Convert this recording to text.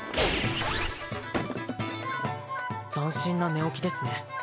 斬新な寝起きですね